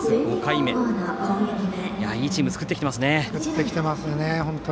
いいチームを作ってきていますね。